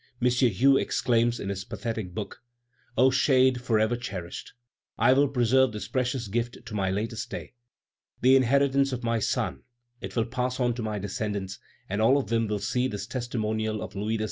Hue exclaims in his pathetic book: "O shade forever cherished! I will preserve this precious gift to my latest day! The inheritance of my son, it will pass on to my descendants, and all of them will see in this testimonial of Louis XVI.'